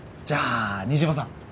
じゃあ新島さん